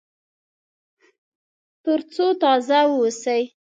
تر څو تازه واوسي.